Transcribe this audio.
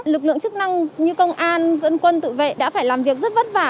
lực lượng chức năng như công an dân quân tự vệ đã phải làm việc rất vất vả